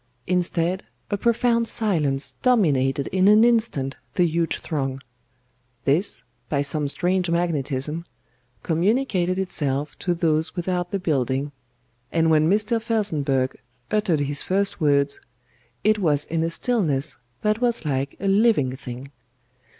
Instead a profound silence dominated in an instant the huge throng; this, by some strange magnetism, communicated itself to those without the building, and when Mr. FELSENBURGH uttered his first words, it was in a stillness that was like a living thing.